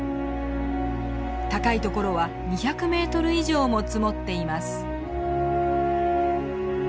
高いところは２００メートル以上も積もっています。